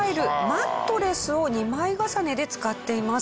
マットレスを２枚重ねで使っています。